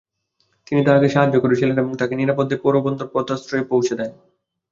তিনি তাকে সাহায্য করেছিলেন এবং তাকে নিরাপদে পোরবন্দর পোতাশ্রয়ে পৌঁছে দেন।